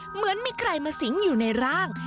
เหมือนมีใครมาสิงอยู่ในร่าง